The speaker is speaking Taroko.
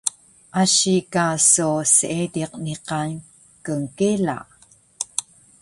Asi ka so seediq niqan knkela